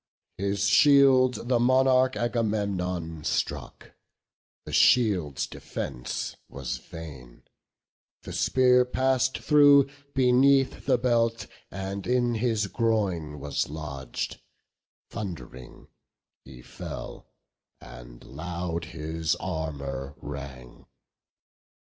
His shield the monarch Agamemnon struck; The shield's defence was vain; the spear pass'd through Beneath the belt, and in his groin was lodg'd; Thund'ring he fell, and loud his armour rang.